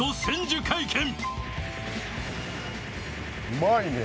うまいね。